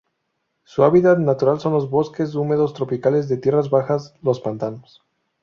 Su hábitat natural son los bosques húmedos tropicales de tierras bajas los pantanos.